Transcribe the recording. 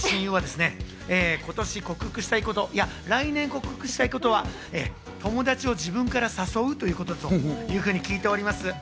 ちなみに僕の親友は今年克服したいこと、いや、来年克服したいことは友達を自分から誘うということという具合に聞いております。